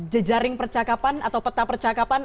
jejaring percakapan atau peta percakapan